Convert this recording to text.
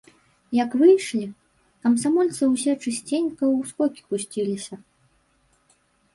Як выйшлі, камсамольцы ўсе чысценька ў скокі пусціліся.